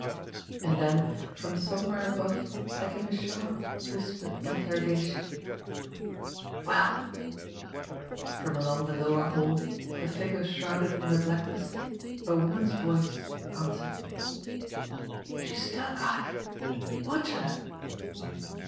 And then from somewhere above there came a sharp, whispered interrogation : "Well?" From along the lower hall, her figure shrouded in the blackness, a woman's voice answered: "She's still got it. Watch her."